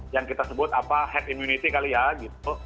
yang kita sebut apa herd immunity kali ya gitu